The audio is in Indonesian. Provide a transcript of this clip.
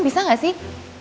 bisa gak sih